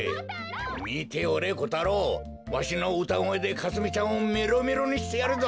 みておれコタロウ！わしのうたごえでかすみちゃんをメロメロにしてやるぞ！